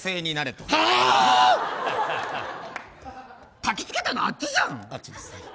たきつけたのあっちじゃん！